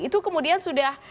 itu kemudian sudah